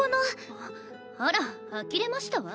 あっあらあきれましたわ。